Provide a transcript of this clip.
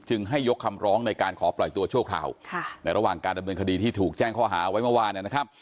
ให้ยกคำร้องในการขอปล่อยตัวชั่วคราวในระหว่างการดำเนินคดีที่ถูกแจ้งข้อหาไว้เมื่อวานนะครับ